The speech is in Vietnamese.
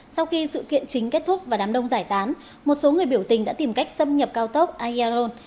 sau khi sự kiện chính kết thúc và đám đông giải tán một số người biểu tình đã tìm cách xâm nhập cao tốc ayarron